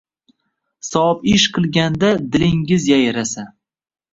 Savob ish qilganda dilingiz yayrasa